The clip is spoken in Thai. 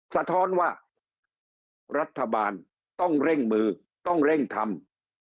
สะท้อนว่ารัฐบาลต้องเร่งมือต้องเร่งทำ